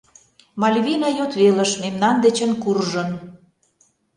Мальвина йот велыш мемнан дечын куржын